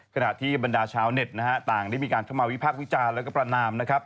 ขณะที่บรรดาชาวเน็ตนะฮะต่างได้มีการเข้ามาวิพากษ์วิจารณ์แล้วก็ประนามนะครับ